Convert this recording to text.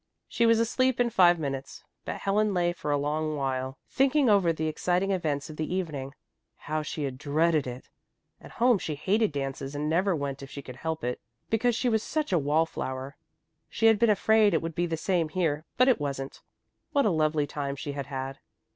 She was asleep in five minutes, but Helen lay for a long while thinking over the exciting events of the evening. How she had dreaded it! At home she hated dances and never went if she could help it, because she was such a wall flower. She had been afraid it would be the same here, but it wasn't. What a lovely time she had had!